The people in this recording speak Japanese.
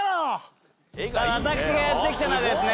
私がやって来たのはですね